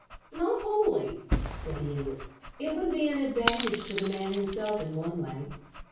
"Not wholly," said the Idiot. "It would be an advantage to the man himself in one way.